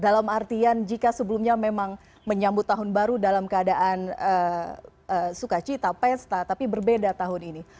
dalam artian jika sebelumnya memang menyambut tahun baru dalam keadaan sukacita pesta tapi berbeda tahun ini